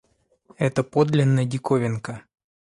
Это подлинно диковинка!